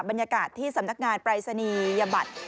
บรรยากาศที่สำนักงานปรายศนียบัตร